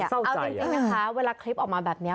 เอาจริงนะคะเวลาคลิปออกมาแบบนี้